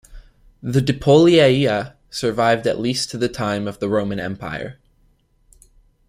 The Dipolieia survived at least to the time of the Roman Empire.